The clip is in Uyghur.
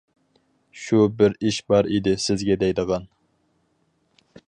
-شۇ بىر ئىش بار ئىدى سىزگە دەيدىغان.